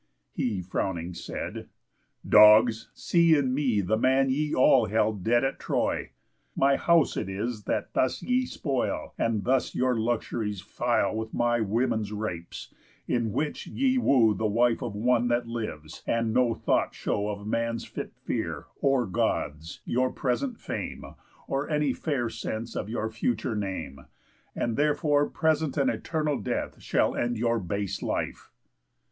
He, frowning, said: "Dogs, see in me the man Ye all held dead at Troy. My house it is That thus ye spoil, and thus your luxuries File with my women's rapes; in which ye woo The wife of one that lives, and no thought show Of man's fit fear, or God's, your present fame, Or any fair sense of your future name; And, therefore, present and eternal death Shall end your base life."